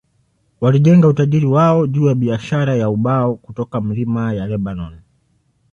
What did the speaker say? Walijenga utajiri wao juu ya biashara ya ubao kutoka milima ya Lebanoni.